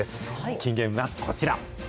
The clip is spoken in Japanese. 金言はこちら。